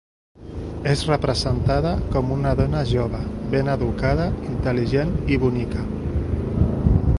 És representada com una dona jove, ben educada, intel·ligent i bonica.